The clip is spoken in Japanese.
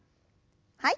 はい。